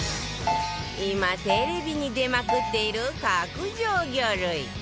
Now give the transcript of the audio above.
今テレビに出まくっている角上魚類